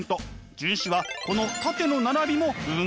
荀子はこの縦の並びも「分業」。